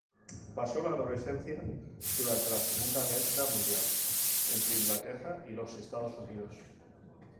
Pasó la adolescencia durante la Segunda Guerra Mundial entre Inglaterra y los Estados Unidos.